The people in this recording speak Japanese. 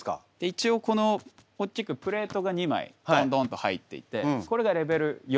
一応この大きくプレートが２枚ドンドンと入っていてこれがレベル４。